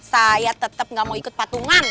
saya tetep gak mau ikut patungan